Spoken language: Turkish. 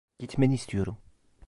Gitmeni istiyorum.